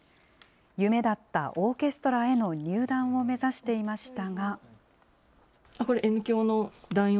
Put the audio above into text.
夢だったオーケストラへの入団を目指していましたが。